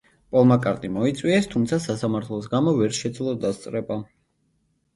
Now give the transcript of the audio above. პოლ მაკ-კარტნი მოიწვიეს, თუმცა სასამართლოს გამო ვერ შეძლო დასწრება.